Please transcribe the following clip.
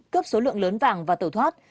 cướp số lượng lớn vàng và tẩu thoát